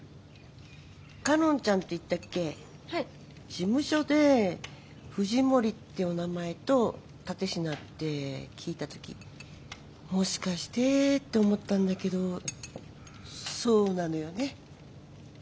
事務所で藤森ってお名前と蓼科って聞いた時もしかしてって思ったんだけどそうなのよね？